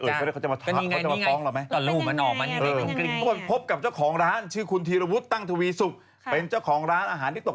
อย่าเป็นเอ่ยเขาจะมาฟ้องเราไหม